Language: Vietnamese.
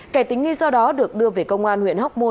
kẻ tính nghi do đó được đưa về công an huyện hóc môn